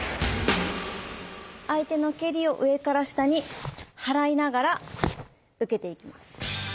相手の蹴りを上から下に払いながら受けていきます。